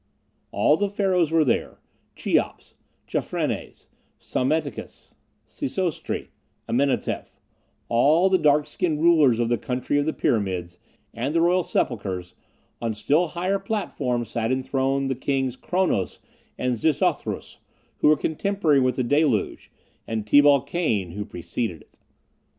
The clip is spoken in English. All the Pharaohs were there Cheops, Chephrenes, Psammetichus, Sesostri, Amenoteph, all the dark skinned rulers of the country of the pyramids, and the royal sepulchers; on a still higher platform sat enthroned the kings Chronos, and Xixouthros, who were contemporary with the deluge, and Tubal Cain, who preceded it.